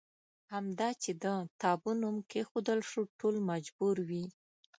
همدا چې د تابو نوم کېښودل شو ټول مجبور وي.